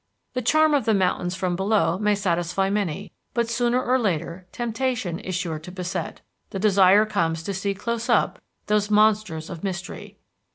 The charm of the mountains from below may satisfy many, but sooner or later temptation is sure to beset. The desire comes to see close up those monsters of mystery.